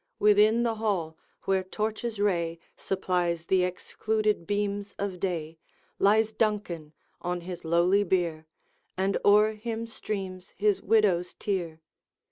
Within the hall, where torch's ray Supplies the excluded beams of day, Lies Duncan on his lowly bier, And o'er him streams his widow's tear.